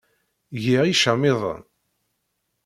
Giɣ icamiḍen.